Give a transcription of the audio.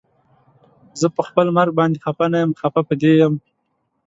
زه پخپل مرګ باندې خفه نه یم خفه په دې یم